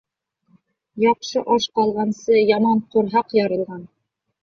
Яҡшы аш ҡалғансы, яман ҡорһаҡ ярылған.